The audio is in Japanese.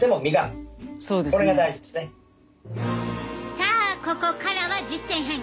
さあここからは実践編！